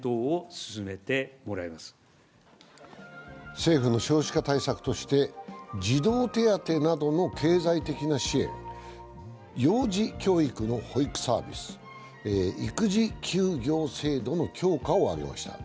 政府の少子化対策として児童手当などの経済的な支援幼児教育の保育サービス、育児休業制度の強化を挙げました。